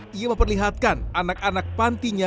tio memperlihatkan anak anak pantinya